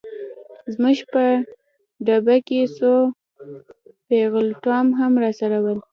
زموږ په ډبه کي څو پیلوټان هم راسره ول.